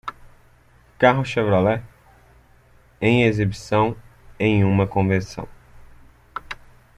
Carro Chevrolet em exibição em uma convenção